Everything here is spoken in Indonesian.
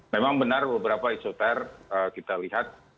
memang benar beberapa isoter kita lihat